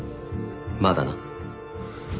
まだな。